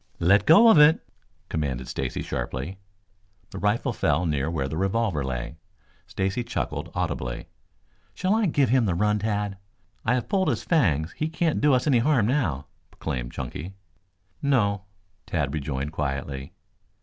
"Let go of it!" commanded Stacy sharply. The rifle fell near where the revolver lay. Stacy chuckled audibly. "Shall I give him the run, Tad? I have pulled his fangs. He can't do us any harm now," proclaimed Chunky. "No," Tad rejoined quietly.